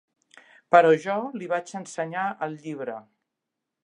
Però jo li vaig ensenyar el llibre.